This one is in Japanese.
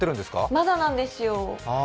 まだなんですよ。